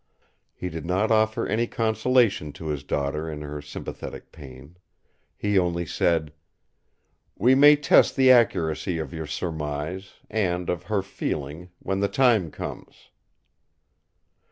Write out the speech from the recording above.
He did not offer any consolation to his daughter in her sympathetic pain. He only said: "We may test the accuracy of your surmise, and of her feeling, when the time comes!"